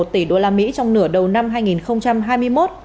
một tỷ usd trong nửa đầu năm hai nghìn hai mươi một